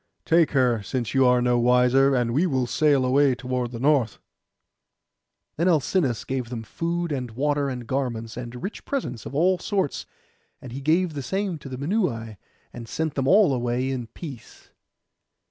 Take her, since you are no wiser; and we will sail away toward the north.' Then Alcinous gave them food, and water, and garments, and rich presents of all sorts; and he gave the same to the Minuai, and sent them all away in peace.